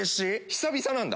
久々なんだ。